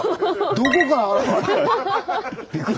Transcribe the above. どこから現れて。